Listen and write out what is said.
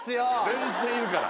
全然いるから。